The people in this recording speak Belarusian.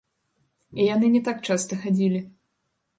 І яны не так часта хадзілі.